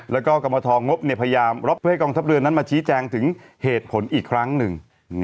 แล้วก็กรรมทงบพยายามรับเพื่อให้กองทัพเรือนั้นมาชี้แจงถึงเหตุผลอีกครั้งหนึ่ง